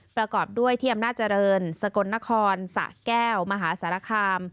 ประกอบด้วยที่อำนาจเจริญสกลนครสะแก้วมหาสารคาม